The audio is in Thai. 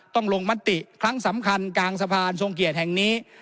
ลงมติครั้งสำคัญกลางสะพานทรงเกียรติแห่งนี้